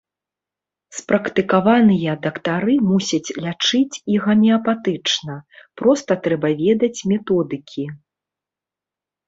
Спрактыкаваныя дактары мусяць лячыць і гамеапатычна, проста трэба ведаць методыкі.